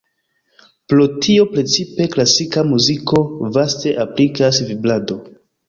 Pro tio precipe klasika muziko vaste aplikas vibrado.